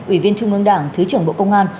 ủy viên trung ương đảng thứ trưởng bộ công an